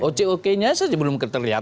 oc ok nya saja belum terlihat